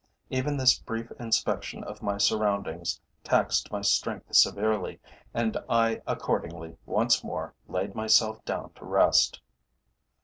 Even this brief inspection of my surroundings taxed my strength severely, and I accordingly once more laid myself down to rest.